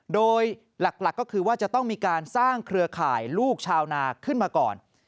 โดยหลักก็คือว่าจะต้องมีการสร้างเครือข่ายลูกชาวนาขึ้นมาก่อน